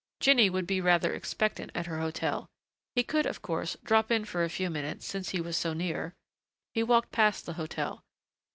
Jinny would be rather expectant at her hotel. He could, of course, drop in for a few minutes since he was so near.... He walked past the hotel....